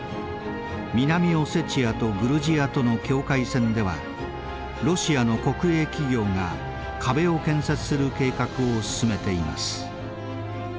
南オセチアとグルジアとの境界線ではロシアの国営企業が壁を建設する計画を進めています。